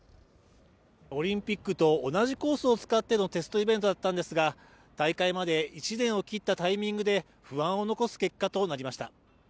オリンピックと同じコースを使ってのテストイベントだったんですが、大会まで１年を切ったタイミングで不安を残す結果となりました。